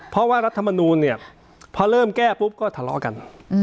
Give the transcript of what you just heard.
เพราะว่ารัฐมนูลเนี่ยพอเริ่มแก้ปุ๊บก็ทะเลาะกัน